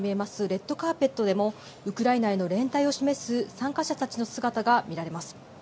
レッドカーペットでもウクライナへの連帯を示す参加者たちの姿が見られます。